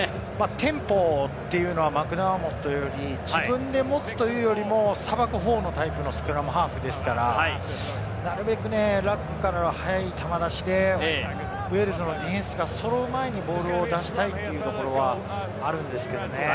テンポはマクダーモットより自分で持つというよりも、さばく方のタイプのスクラムハーフですから、なるべくラックからの早い球出しでディフェンスがその前にボールを出したいというところはあるんですけれどもね。